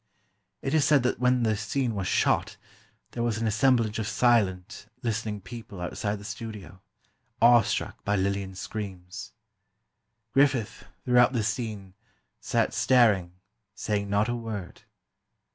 It is said that when the scene was "shot," there was an assemblage of silent, listening people outside the studio, awe struck by Lillian's screams. Griffith, throughout the scene, sat staring, saying not a word.